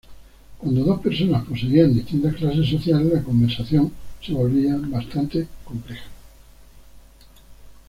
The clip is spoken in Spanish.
Cuando dos personas poseían distintas clases sociales, la conversación se volvía bastante complejo.